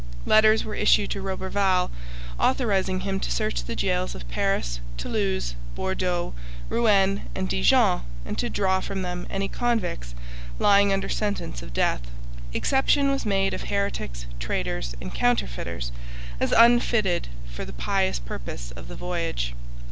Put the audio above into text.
Letters were issued to Roberval authorizing him to search the jails of Paris, Toulouse, Bordeaux, Rouen, and Dijon and to draw from them any convicts lying under sentence of death. Exception was made of heretics, traitors, and counterfeiters, as unfitted for the pious purpose of the voyage.